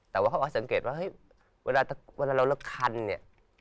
แต่ว่าเขาบอกให้สังเกตว่าเวลาเราเลือกคันเนี่ย